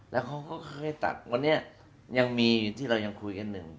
แล้วเขาก็ค่อยตัดวันนี้ยังมีที่เรายังคุยกันหนึ่ง